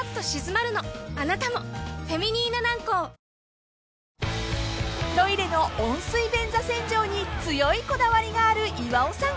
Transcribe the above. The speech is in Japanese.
ニトリ［トイレの温水便座洗浄に強いこだわりがある岩尾さん］